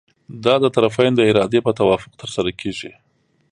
دا د طرفینو د ارادې په توافق ترسره کیږي.